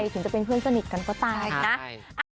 ถึงจะเป็นเพื่อนสนิทกันก็ตามนะ